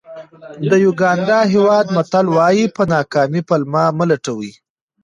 د یوګانډا هېواد متل وایي په ناکامۍ پلمه مه لټوئ.